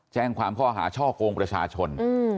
แจ้งความข้อหาช่อกงประชาชน